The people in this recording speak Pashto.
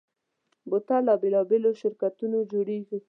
بوتل له بېلابېلو شرکتونو جوړېږي.